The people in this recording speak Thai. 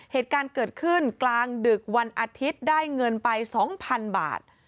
เหตุการณ์เกิดขึ้นกลางดึกวันอาทิตย์ได้เงินไป๒๐๐๐บาท